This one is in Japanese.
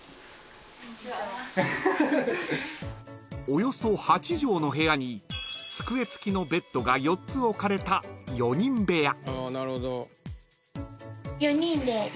［およそ８畳の部屋に机付きのベッドが４つ置かれた４人部屋］